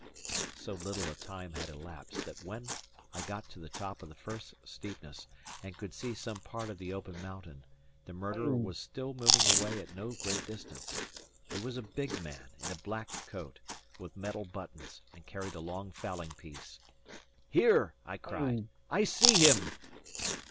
So little a time had elapsed, that when I got to the top of the first steepness, and could see some part of the open mountain, the murderer was still moving away at no great distance. He was a big man, in a black coat, with metal buttons, and carried a long fowling piece. "Here!" I cried. "I see him!"